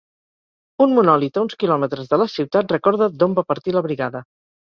Un monòlit a uns quilòmetres de la ciutat recorda d'on va partir la Brigada.